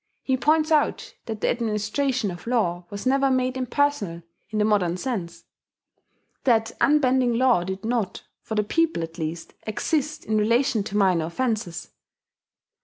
He points out that the administration of law was never made impersonal in the modern sense; that unbending law did not, for the people at least, exist in relation to minor offences.